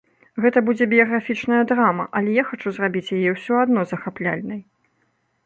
Гэта будзе біяграфічная драма, але я хачу зрабіць яе ўсё адно захапляльнай.